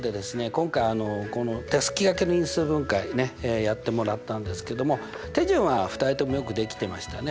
今回このたすきがけの因数分解ねやってもらったんですけども手順は２人ともよくできてましたね。